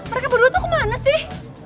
mereka berdua tuh kemana sih